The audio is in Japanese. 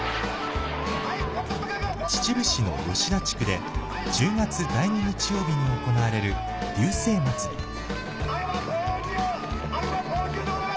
秩父市の下吉田地区で１０月の第２日曜日に行われる龍勢まつり。